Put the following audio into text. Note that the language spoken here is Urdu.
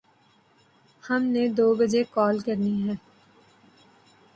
ہم نے دو بجے کال کرنی ہے